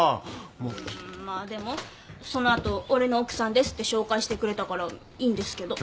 まあでもその後俺の奥さんですって紹介してくれたからいいんですけど。